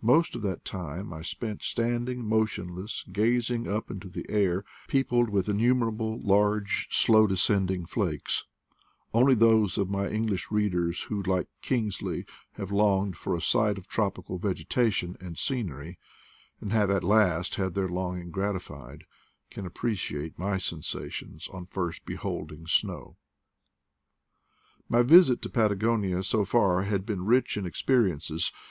Most of that time I spent standing motionless, gazing up into the air, peopled with innumerable large slow descending flakes: only those of my English readers who, like Kingsley, have longed for a sight of tropical vegetation and scenery, and have at last had their longing grati fied, can appreciate my sensations on first behold ing snow. My visit to Patagonia so far had been rich in experiences.